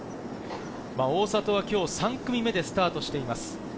大里は今日３組目でスタートしています。